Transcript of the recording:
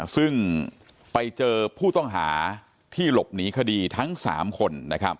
ซึ่งไปเจอผู้ต้องหาที่หลบหนีคดีทั้ง๓คน